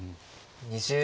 ２０秒。